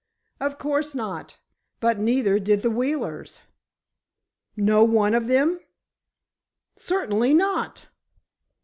"Of course not! But neither did the Wheelers!" "No one of them?" "Certainly not."